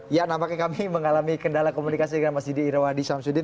ya namanya kami mengalami kendala komunikasi dengan mas didi irwadi shamsuddin